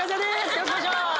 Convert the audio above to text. よろしくお願いします。